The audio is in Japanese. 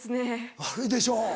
悪いでしょう。